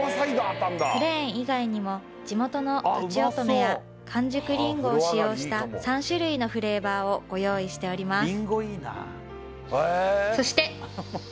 プレーン以外にも地元のとちおとめや完熟りんごを使用した３種類のフレーバーをご用意しております